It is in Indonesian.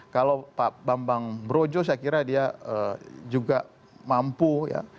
kalau pak bambang brojo saya kira dia juga mampu ya